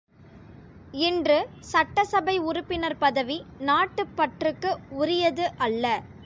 இன்று சட்டசபை உறுப்பினர் பதவி நாட்டுப் பற்றுக்கு உரியது அல்ல.